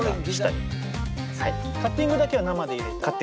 カッティングだけは生で入れて？